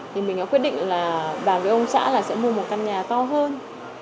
thì mình đã quyết định là bà với ông xã sẽ mua một căn nhà to hơn